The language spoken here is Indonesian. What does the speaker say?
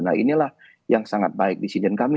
nah inilah yang sangat baik disiden kami